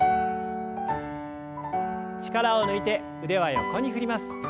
力を抜いて腕は横に振ります。